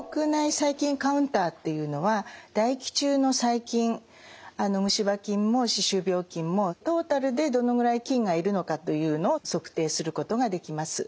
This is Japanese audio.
細菌カウンタっていうのは唾液中の細菌虫歯菌も歯周病菌もトータルでどのぐらい菌がいるのかというのを測定することができます。